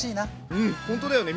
うんほんとだよね。